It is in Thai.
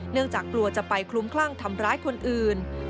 จากกลัวจะไปคลุ้มคลั่งทำร้ายคนอื่น